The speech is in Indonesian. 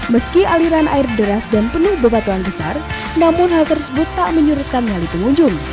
meski aliran air deras dan penuh bebatuan besar namun hal tersebut tak menyurutkan nyali pengunjung